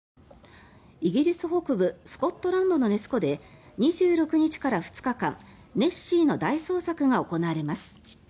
イギリス北部スコットランドのネス湖で２６日から２日間ネッシーの大捜索が行われます。